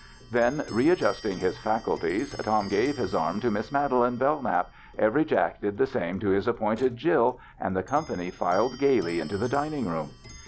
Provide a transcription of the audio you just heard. Then readjusting his faculties, Tom gave his arm to Miss Madeline Bellknap, every Jack did the same to his appointed Jill, and the company filed gayly into the dining room.